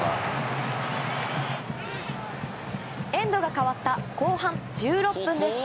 エンドが変わった後半１６分です。